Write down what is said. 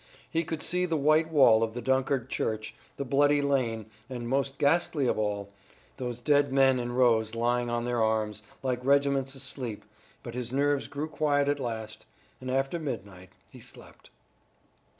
He could see the white wall of the Dunkard church, the Bloody Lane, and most ghastly of all, those dead men in rows lying on their arms, like regiments asleep, but his nerves grew quiet at last, and after midnight he slept.